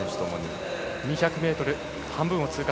２００ｍ半分を通過。